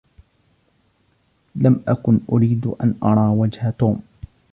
لم أكن أريد أن أرى وجه توم.